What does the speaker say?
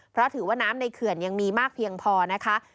เพราะถือว่าน้ำในเขื่อนยังมีมากเพียงพอนะคะ